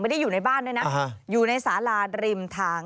อยู่ในบ้านด้วยนะอยู่ในสาลาริมทาง